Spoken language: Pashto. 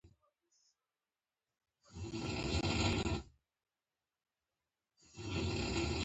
ژبه یې ساده وي